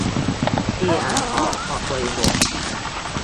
ที่อ่านออกเพราะบริบท